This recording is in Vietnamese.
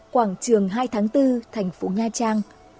quảng trường hai tháng bốn thành phố nha trang